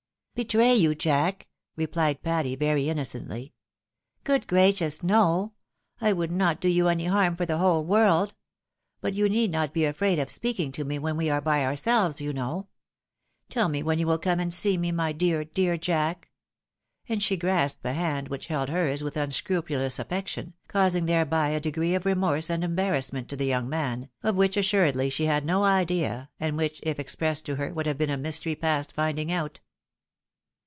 "Betray you. Jack!" replied Patty, very innocently. " Good gracious, no ! I would not do you any harm for the whole world ; but you need not be afraid of speaking to me when we are by ourselves, you know. Tell me when you wiU come and see me, my dear, dear Jack !" and she grasped the hand which held hers with unscrupulous affection, causing thereby a degree of remorse and embarrassment to the young man, of which, assuredly, she had no idea, and which, if ex pressed to her would have been a mystery past finding out.